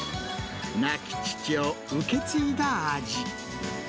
亡き父を受け継いだ味。